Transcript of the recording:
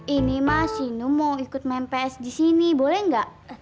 ini mah sinu mau ikut main ps di sini boleh gak